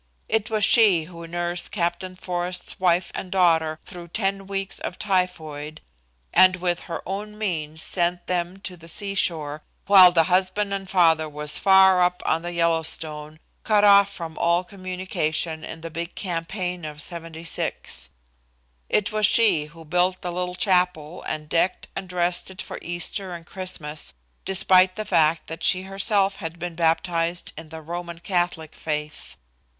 It was she who nursed Captain Forrest's wife and daughter through ten weeks of typhoid, and, with her own means, sent them to the seashore, while the husband and father was far up on the Yellowstone, cut off from all communication in the big campaign of '76. It was she who built the little chapel and decked and dressed it for Easter and Christmas, despite the fact that she herself had been baptized in the Roman Catholic faith.